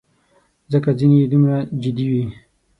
ځکه ځینې یې دومره جدي وې.